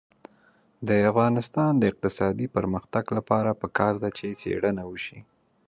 د افغانستان د اقتصادي پرمختګ لپاره پکار ده چې څېړنه وشي.